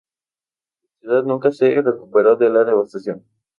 La ciudad nunca se recuperó de la devastación.